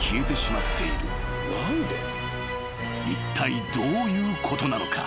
［いったいどういうことなのか？］